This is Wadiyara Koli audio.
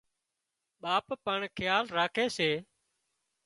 ٻاپ پڻ کيال راکي سي